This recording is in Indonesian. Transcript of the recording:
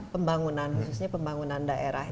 pembangunan khususnya pembangunan daerah